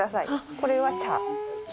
これは茶黄。